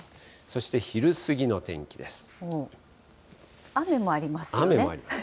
そして、昼過ぎの天気です。